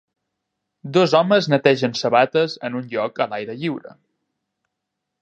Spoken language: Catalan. Dos homes netegen sabates en un lloc a l'aire lliure